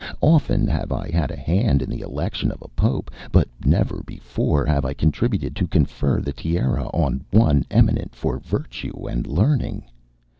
Often have I had a hand in the election of a Pope, but never before have I contributed to confer the tiara on one eminent for virtue and learning.